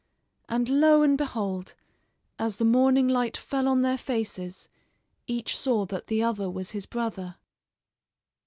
And lo! and behold, as the morning light fell on their faces, each saw that the other was his brother.